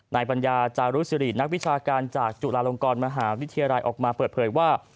ปัญญาจารุสิรินักวิชาการจากจุฬาลงกรมหาวิทยาลัยออกมาเปิดเผยว่า